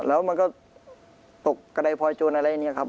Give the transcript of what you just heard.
แล้วมันก็ตกกระดายพลอยโจรอะไรเนี่ยครับ